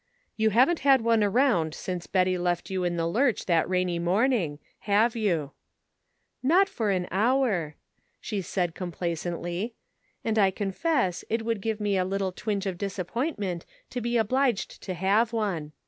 " You haven't had one around since Betty left you in the lurch that rainy morning, have you ?"" Not for an hour," she said complacently, " and I confess it would give me a little twinge of disappointment to be obliged to have one.